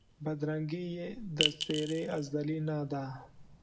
بدرنګي یې د څېرې ازلي نه ده